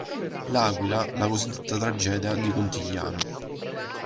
L'Aquila, la cosiddetta tragedia di Contigliano.